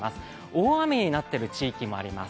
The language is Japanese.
大雨になっている地域もあります。